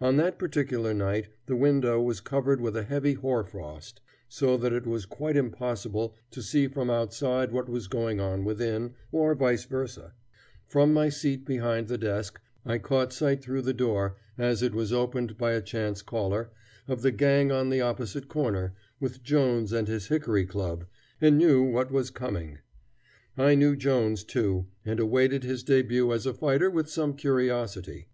On that particular night the window was covered with a heavy hoarfrost, so that it was quite impossible to see from outside what was going on within, or vice versa. From my seat behind the desk I caught sight through the door, as it was opened by a chance caller, of the gang on the opposite corner, with Jones and his hickory club, and knew what was coming. I knew Jones, too, and awaited his debut as a fighter with some curiosity.